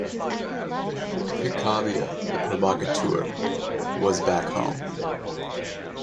Picabia, the provocateur, was back home.